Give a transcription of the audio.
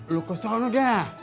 lu ke sana dah